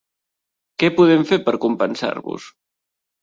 Què podem fer per compensar-vos?